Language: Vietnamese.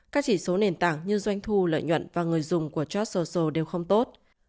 các chỉ số nền tảng như doanh thu lợi nhuận và người dùng của charts social đều không tốt